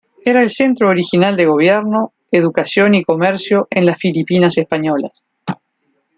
Era el centro original de gobierno, educación y comercio en las Filipinas españolas.